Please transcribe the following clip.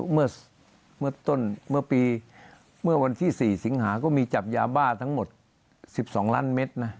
เมื่อต้นเมื่อวันที่๔สิงหาก็มีจับยาบ้าทั้งหมด๑๒ล้านเมตรนะ